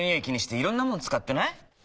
気にしていろんなもの使ってない？